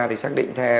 thì xác định theo